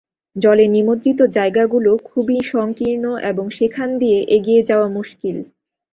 জলে নিমজ্জিত জায়গাগুলো খুবই সংকীর্ণ আর সেখান দিয়ে এগিয়ে যাওয়া মুশকিল।